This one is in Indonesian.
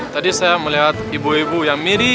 tadi saya melihat ibu ibu yang mirip